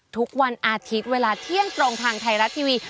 ทุกวันอาทิตย์เวลาเที่ยงตรงทางไทยรัฐทีวี